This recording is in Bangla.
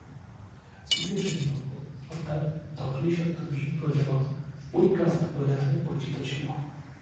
তৃতীয় শ্রেণিভুক্ত অর্থাৎ দখলিস্বত্ব বিহীন প্রজাগণ পইকাস্ত প্রজা নামে পরিচিত ছিল।